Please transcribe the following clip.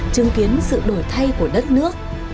chứng kiến sự đổi thay của đất nước